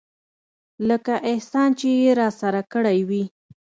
لکه احسان چې يې راسره کړى وي.